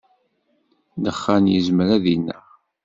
Ddexxan yezmer ad ineɣ.